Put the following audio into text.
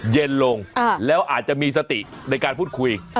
เย็นลงแล้วอาจจะมีสติในการพูดคุย